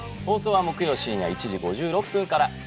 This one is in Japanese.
放送は木曜深夜１時５６分から。